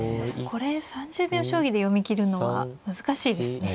これ３０秒将棋で読みきるのは難しいですね。